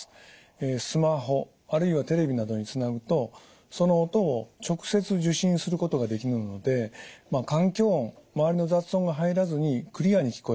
スマホあるいはテレビなどにつなぐとその音を直接受信することができるので環境音周りの雑音が入らずにクリアに聞こえます。